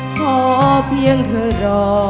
ขอเพียงเธอรอ